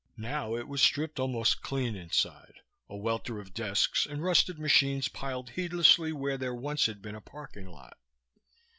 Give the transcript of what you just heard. Now it was stripped almost clean inside, a welter of desks and rusted machines piled heedlessly where there once had been a parking lot.